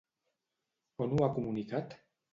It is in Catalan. On ho ha comunicat?